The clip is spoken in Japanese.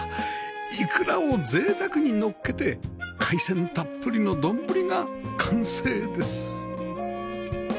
イクラをぜいたくにのっけて海鮮たっぷりの丼が完成です